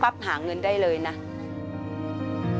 ทำไมเราต้องเป็นแบบเสียเงินอะไรขนาดนี้เวรกรรมอะไรนักหนา